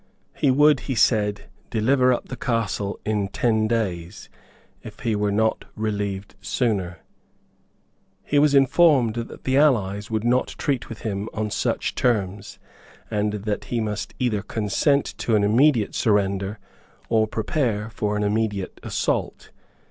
He would, he said, deliver up the castle in ten days, if he were not relieved sooner. He was informed that the allies would not treat with him on such terms, and that he must either consent to an immediate surrender, or prepare for an immediate assault.